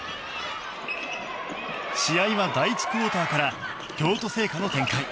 試合は、第１クオーターから京都精華の展開。